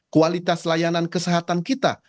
kualitas layanan kesehatan kita